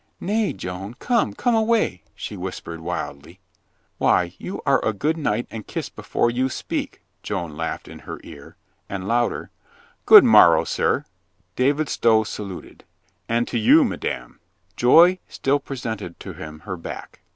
"Nay, Joan, come — come away," she whis pered wildly. "Why, you are a good knight and kiss before you speak," Joan laughed in her ear, and louder: "Good morrow, sir." David Stow saluted. "And to you, madame." Joy still presented to him her back.